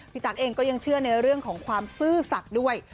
ตั๊กเองก็ยังเชื่อในเรื่องของความซื่อสัตว์ด้วย